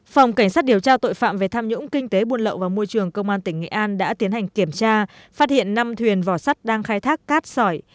phòng cảnh sát điều tra tội phạm về tham nhũng kinh tế buôn lậu vào môi trường công an tỉnh nghệ an đã tiến hành kiểm tra phát hiện năm thuyền vỏ sắt đang khai thác cát sỏi